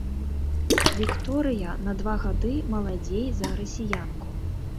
Вікторыя на два гады маладзей за расіянку.